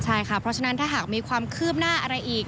ใช่ค่ะเพราะฉะนั้นถ้าหากมีความคืบหน้าอะไรอีก